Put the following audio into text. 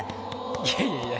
いやいやいや。